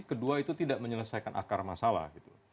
kedua itu tidak menyelesaikan akar masalah gitu